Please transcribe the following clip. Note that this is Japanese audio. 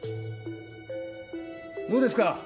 どうですか？